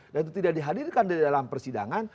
dan itu tidak dihadirkan di dalam persidangan